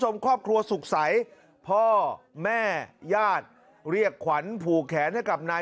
ครอบครัวสุขใสพ่อแม่ญาติเรียกขวัญผูกแขนให้กับนาย